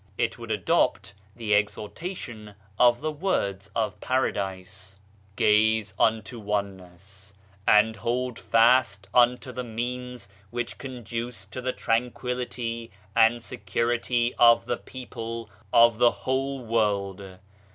It would adopt the exhortation of the Words of Paradise :" Gaze unto Oneness, and hold fast unto the means which conduce to the tran quillity and security of the people of the whole world.